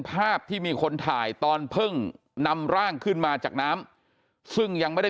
ภาพที่มีคนถ่ายตอนเพิ่งนำร่างขึ้นมาจากน้ำซึ่งยังไม่ได้